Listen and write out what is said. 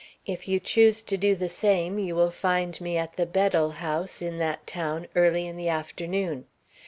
If you choose to do the same, you will find me at the Bedell House, in that town, early in the afternoon.